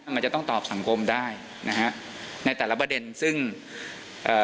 มันจะต้องตอบสังคมได้นะฮะในแต่ละประเด็นซึ่งเอ่อ